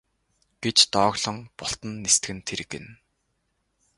гэж дооглон бултан нисдэг нь тэр гэнэ.